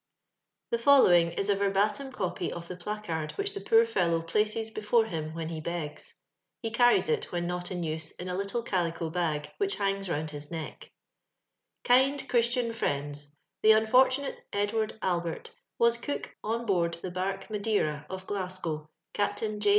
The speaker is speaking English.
" The following is a verbatim copy of the placard which the poor fellow places before him when he begs. He carries it, when not in use, in a little calico bag which hangs round his neck :— KIND CHEISTIAN FBIENDS THE UNFOBTUNATE EDWAKD ALBERT WAS COOK ON BOABD THE BARQUE UADEIHA OF GLASGOW CAPTAIN J.